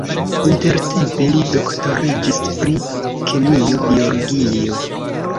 Intertempe li doktoriĝis pri kemio-biologio.